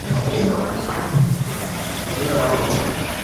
Urkatuta aurkitu zuten bere etxean.